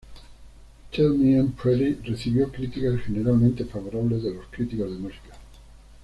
Tell Me I'm Pretty recibió críticas generalmente favorables de los críticos de música.